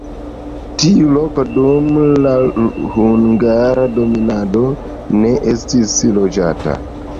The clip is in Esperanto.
Tiu loko dum la hungara dominado ne estis loĝata.